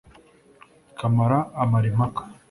kamara amara impaka